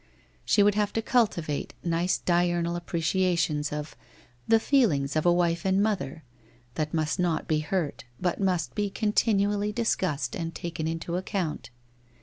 She would have to cultivate nice diurnal appreciations of ' the feelings of a wife and mother,' that must not be hurt, but must be continually discussed and taken into account.